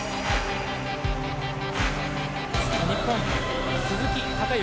日本、鈴木孝幸